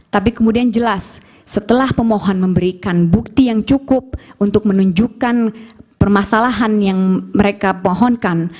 tapi kemudian jelas setelah pemohon memberikan bukti yang cukup untuk menunjukkan permasalahan yang mereka pohonkan